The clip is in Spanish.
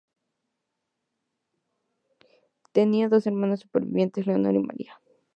Tenía dos hermanas supervivientes; Leonor y María.